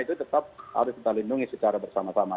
itu tetap harus kita lindungi secara bersama sama